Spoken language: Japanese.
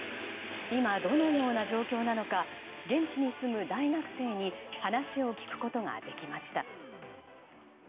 今、どのような状況なのか現地に住む大学生に話を聞くことができました。